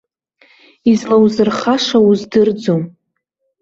Излаузурхаша уздырӡом.